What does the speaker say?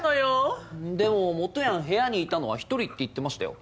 でももとやん部屋にいたのは１人って言ってましたよ。